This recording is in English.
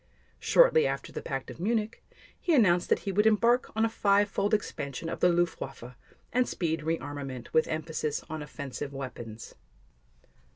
Shortly after the Pact of Munich, he announced that he would embark on a five fold expansion of the Luftwaffe, and speed rearmament with emphasis on offensive weapons.